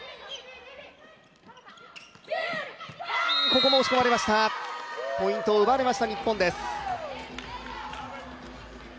ここも押し込まれました、ポイントを奪われました、日本です。